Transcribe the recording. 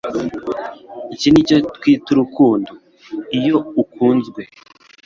Iki nicyo twita urukundo. Iyo ukunzwe,